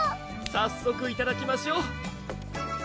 早速いただきましょ！